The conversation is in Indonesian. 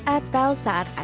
atau saat berhenti